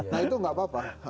nah itu nggak apa apa